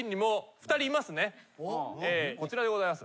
こちらでございます。